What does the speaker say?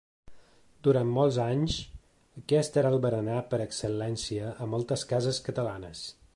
Durant molts anys, aquest era el berenar per excel·lència a moltes cases catalanes.